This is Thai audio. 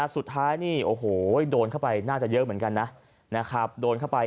สุดท้ายนี่โอ้โหโดนเข้าไปน่าจะเยอะเหมือนกันนะโดนเข้าไป